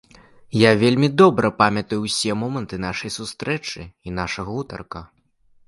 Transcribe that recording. Я вельмі добра памятаю ўсе моманты нашай сустрэчы і наша гутарка.